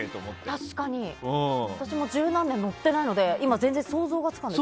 私も十何年乗ってないので今、全然想像がつかない。